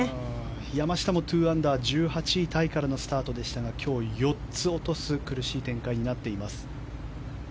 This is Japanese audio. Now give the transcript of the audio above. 山下も２アンダー１８位タイからのスタートでしたが今日４つ落とす苦しい展開になっています。